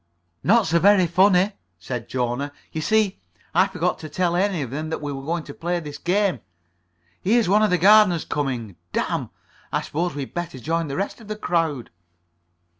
"Not so very funny," said Jona. "You see, I forgot to tell any of them that we were going to play this game. Here's one of the gardeners coming. Damn. I suppose we'd better join the rest of the crowd."